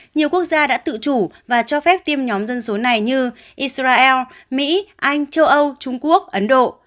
nhiều quốc gia đã tự chủ và cho phép tiêm nhóm dân số này như israel mỹ anh châu âu trung quốc ấn độ